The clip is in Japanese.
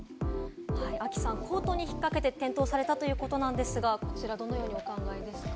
亜希さん、コートに引っかけて転倒されたということですが、どうお考えですか？